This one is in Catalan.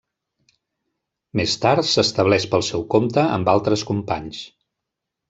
Més tard s'estableix pel seu compte amb altres companys.